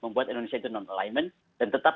membuat indonesia itu non alignment dan tetap